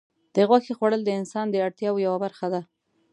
د غوښې خوړل د انسان د اړتیاوو یوه برخه ده.